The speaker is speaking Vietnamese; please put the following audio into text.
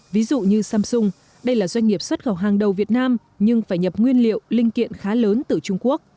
ví dụ như samsung đây là doanh nghiệp xuất khẩu hàng đầu việt nam nhưng phải nhập nguyên liệu linh kiện khá lớn từ trung quốc